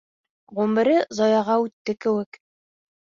Ғүмере заяға үтте кеүек.